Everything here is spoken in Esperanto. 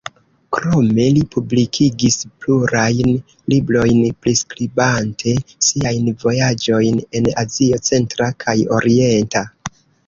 Krome, li publikigis plurajn librojn priskribante siajn vojaĝojn en Azio centra kaj orienta.